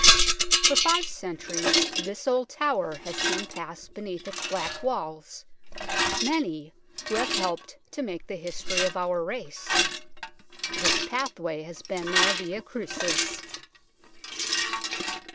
For five centuries this old tower has seen pass beneath its black walls many who have helped to make the history of our race ; this pathway has been their via crucis.